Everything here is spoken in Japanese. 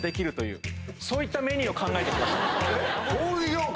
そういったメニューを考えて来ました。